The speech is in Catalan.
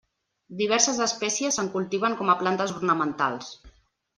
Diverses espècies se'n cultiven com a plantes ornamentals.